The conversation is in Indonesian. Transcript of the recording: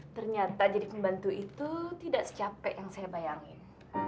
ternyata jadi pembantu itu tidak secape yang saya bayangin